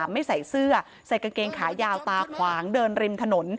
ไม่ใส่เสื้อใส่กางเกงขายาวตาขวางเดินริมถนน